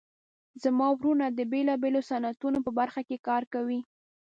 زما وروڼه د بیلابیلو صنعتونو په برخه کې کار کوي